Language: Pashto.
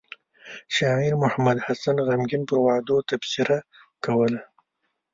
شاعر محمد حسين غمګين پر وعدو تبصره کوله.